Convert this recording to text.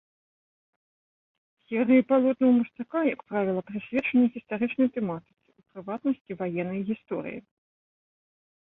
Серыі палотнаў мастака, як правіла, прысвечаны гістарычнай тэматыцы, у прыватнасці, ваеннай гісторыі.